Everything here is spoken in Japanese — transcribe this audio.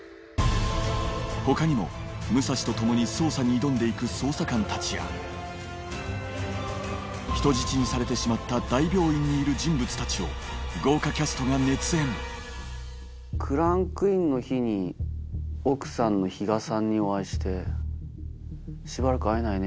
他にも武蔵と共に捜査に挑んで行く捜査官たちや人質にされてしまった大病院にいる人物たちを豪華キャストが熱演クランクインの日に奥さんの比嘉さんにお会いしてしばらく会えないね